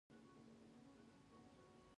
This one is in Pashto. د بیان ازادي مهمه ده ځکه چې د حق غوښتنه اسانوي.